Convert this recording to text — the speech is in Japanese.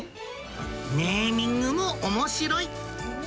ネーミングもおもしろい。